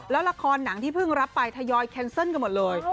แล้วละครหนังที่เพิ่งรับไปทยอยแคนเซิลกันหมดเลย